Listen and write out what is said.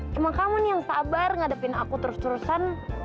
cuma kamu nih yang sabar ngadepin aku terus terusan